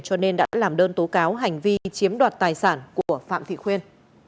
cho nên đã làm đơn tố cáo hành vi chiếm đoạt tài sản của phạm thị khuyên